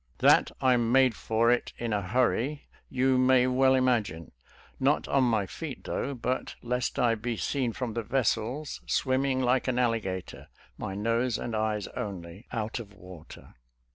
That I made for it in a hurry you may well imagine — not on my feet though, but, lest I be seen from the vessels, swimming like an alli gator, my nose and eyes only out of water.